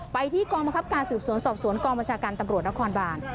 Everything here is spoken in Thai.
ไปที่กองบังคับการสืบสวนสอบสวนกองบัญชาการตำรวจนครบาน